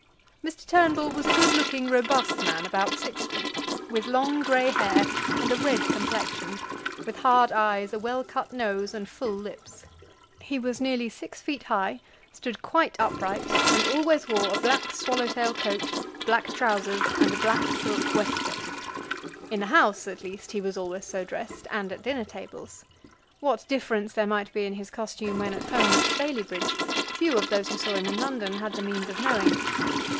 Mr. Turnbull was a good looking robust man about sixty, with long grey hair and a red complexion, with hard eyes, a well cut nose, and full lips. He was nearly six feet high, stood quite upright, and always wore a black swallow tail coat, black trousers, and a black silk waistcoat. In the House, at least, he was always so dressed, and at dinner tables. What difference there might be in his costume when at home at Staleybridge few of those who saw him in London had the means of knowing.